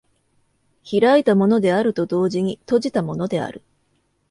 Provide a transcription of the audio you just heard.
開いたものであると同時に閉じたものである。